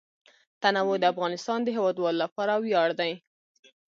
تنوع د افغانستان د هیوادوالو لپاره ویاړ دی.